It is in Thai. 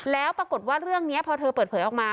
แล้วปรากฏว่าเรื่องนี้พอเธอเปิดเผยออกมา